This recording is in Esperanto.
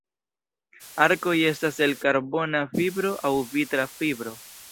Arkoj estas el karbona fibro aŭ vitra fibro.